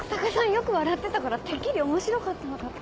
よく笑ってたからてっきり面白かったのかと。